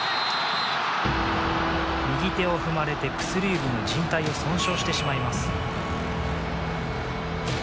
右手を踏まれて薬指のじん帯を損傷してしまいます。